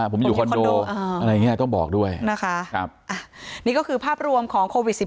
ผมอยู่คอนโด